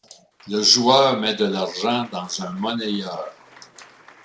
Le joueur met de l’argent dans un monnayeur.